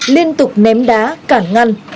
liên tục ném đá cản ngăn